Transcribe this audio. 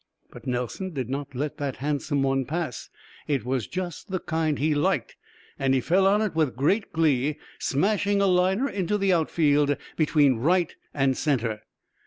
But Nelson did not let that handsome one pass; it was just the kind he liked, and he fell on it with great glee, smashing a liner into the outfield, between right and center.